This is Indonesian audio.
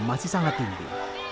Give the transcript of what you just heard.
masih sangat tinggi